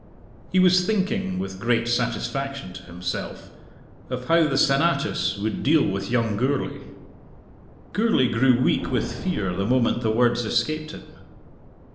He was thinking, with great satisfaction to himself, of how the Senatus would deal with young Gourlay. Gourlay grew weak with fear the moment the words escaped him.